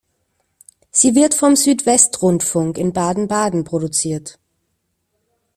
Sie wird vom Südwestrundfunk in Baden-Baden produziert.